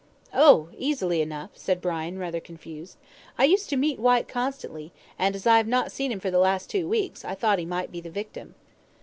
"Oh, easily enough," said Brian, rather confused. "I used to meet Whyte constantly, and as I have not seen him for the last two weeks, I thought he might be the victim."